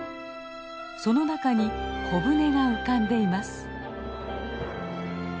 その中に小舟が浮かんでいます。